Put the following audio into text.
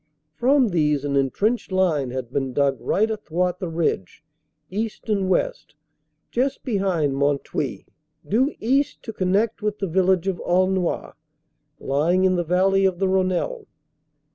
From these an entrenched line had been dug right athwart the ridge, east and west, just behind Mont Houy, due east to con nect with the village of Aulnoy, lying in the valley of the Rhonelle.